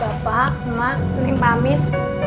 bapak mak ini pamit